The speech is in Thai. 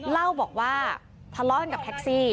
เล่าบอกว่าทะเลาะกันกับแท็กซี่